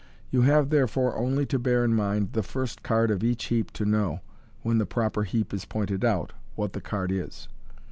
You have, therefore, only to bear in mind the first card of each heap to know, when the proper heap is pointed out, what the card is.